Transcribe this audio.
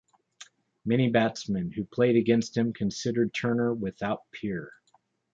Many batsmen who played against him considered Turner without peer.